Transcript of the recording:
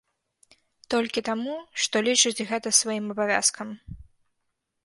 Толькі таму, што лічыць гэта сваім абавязкам.